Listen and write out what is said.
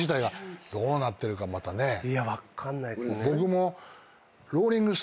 いや分かんないっすね。